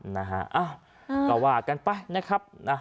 นะฮะก็วากันไปนะฮะ